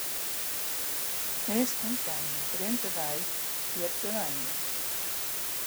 Minsken kamen út Drinte wei hjir te wenjen.